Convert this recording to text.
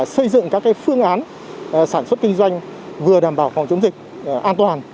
xây dựng các phương án sản xuất kinh doanh vừa đảm bảo phòng chống dịch an toàn